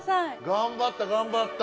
頑張った頑張った。